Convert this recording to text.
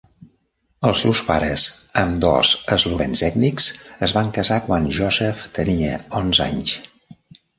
Els seus pares, ambdós eslovens ètnics, es van casar quan Josef tenia onze anys.